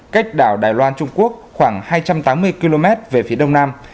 cách đảo đài loan trung quốc khoảng hai trăm tám mươi km về phía đông nam